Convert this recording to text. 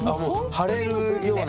もう腫れるような。